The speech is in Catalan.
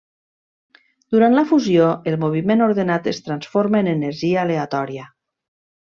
Durant la fusió, el moviment ordenat es transforma en energia aleatòria.